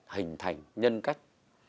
hình thành nhân cách